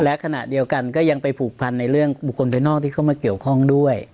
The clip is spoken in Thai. และขณะเดียวกันก็ยังไปผูกพันในเรื่องบุคคลภายนอกที่เข้ามาเกี่ยวข้องด้วย